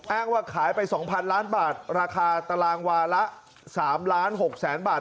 อ้างว่าขายไป๒๐๐๐ล้านบาทราคาตารางวาละ๓ล้าน๖แสนบาท